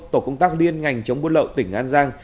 tổ công tác liên ngành chống buôn lậu tỉnh an giang